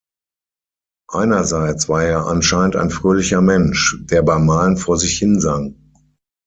Einerseits war er anscheinend ein fröhlicher Mensch, der beim Malen vor sich hin sang.